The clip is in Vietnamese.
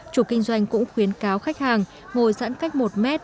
chủ kinh doanh cũng khuyến cáo khách hàng ngồi giãn cách một m